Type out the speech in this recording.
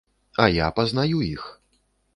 А я пазнаю іх.